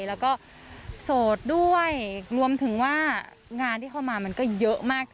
แล้วก็โสดด้วยรวมถึงว่างานที่เข้ามามันก็เยอะมาก